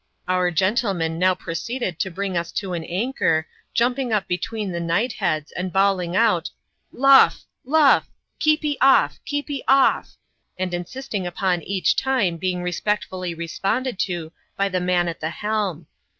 Our gentleman now proceeded to bring us to an anchor, jumping up between the knight heads, and bawling out " Luff! luff! heepyoffl keepyoffT and insisting upon each time being respectfully responded to by the man at the helm.